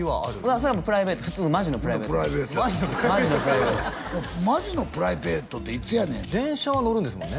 それはプライベート普通のマジのプライベートマジのプライベートマジのプライベートっていつやねん電車は乗るんですもんね？